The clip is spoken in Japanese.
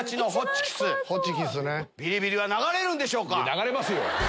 流れますよ！